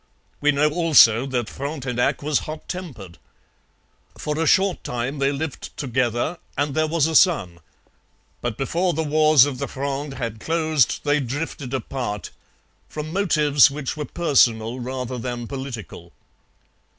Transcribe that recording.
We know also that Frontenac was hot tempered. For a short time they lived together and there was a son. But before the wars of the Fronde had closed they drifted apart, from motives which were personal rather than political.